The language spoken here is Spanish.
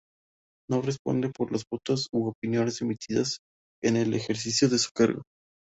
No responden por los votos u opiniones emitidas en el ejercicio de su cargo.